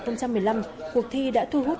năm hai nghìn một mươi năm cuộc thi đã thu hút